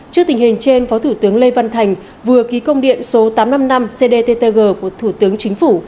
trước tình hình trên phó thủ tướng lê văn thành vừa ký công điện số tám trăm năm mươi năm cdttg của thủ tướng chính phủ